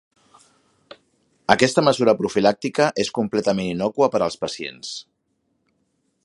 Aquesta mesura profilàctica és completament innòcua per als pacients.